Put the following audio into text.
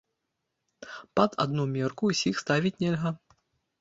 Пад адну мерку ўсіх ставіць нельга.